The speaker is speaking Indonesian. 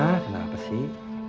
ya ma kenapa sih